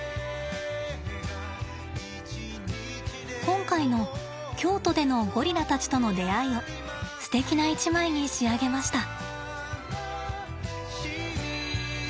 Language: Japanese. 今回の京都でのゴリラたちとの出会いをすてきな一枚に仕上げました。